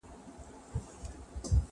عرب وویل له مخه مي سه لیري